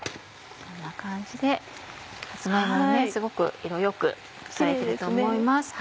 こんな感じでさつま芋もすごく色よくされてると思います。